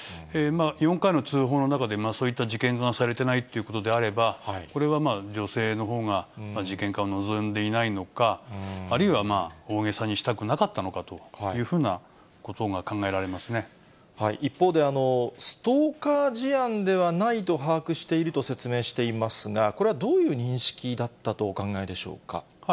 ４回の通報の中で、そういった事件化がされてないということであれば、これはまあ女性のほうが事件化を望んでいないのか、あるいは大げさにしたくなかったのかというふうなことが考えられ一方で、ストーカー事案ではないと把握していると説明していますが、これはどういう認識だったとお考えでしょうか。